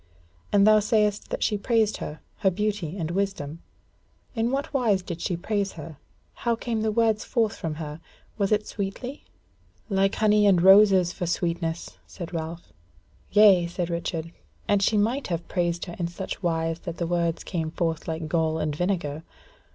And thou sayest that she praised her, her beauty and wisdom. In what wise did she praise her? how came the words forth from her? was it sweetly?" "Like honey and roses for sweetness," said Ralph. "Yea," said Richard, "and she might have praised her in such wise that the words had came forth like gall and vinegar.